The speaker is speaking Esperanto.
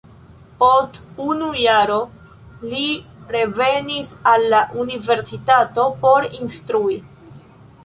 Post unu jaro li revenis al la universitato por instrui.